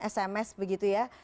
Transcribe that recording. sms begitu ya